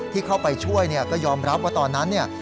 ที่เข้าไปช่วยเนี่ยก็ยอมรับว่าตอนนั้นเนี่ย